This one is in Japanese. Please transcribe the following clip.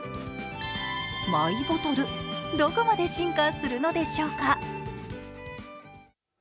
マイボトル、どこまで進化するのでしょうか？